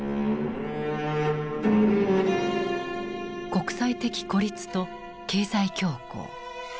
国際的孤立と経済恐慌。